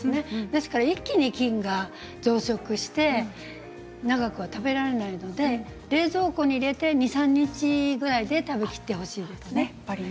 ですから一気に菌が増殖して長くは食べられないので冷蔵庫に入れて２、３日ぐらいで食べきってほしいです。